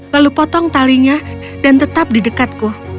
lalu potong talinya dan tetap di dekatku